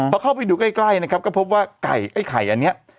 พอเข้าไปดูใกล้นะครับก็พบว่าไก่ไอ้ไข่อันนี้